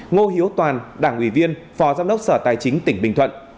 ngô hiếu toàn đảng ủy viên phó giám đốc sở tài chính tỉnh bình thuận